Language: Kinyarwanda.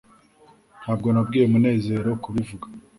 ntabwo nabwiye munezero kubivuga